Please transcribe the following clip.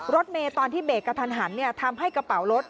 รถเมย์ตอนที่เบรกกระทันหันทำให้กระเป๋ารถ